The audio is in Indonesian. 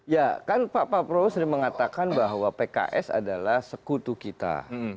ya kan pak prabowo sering mengatakan bahwa pks adalah sekutu kita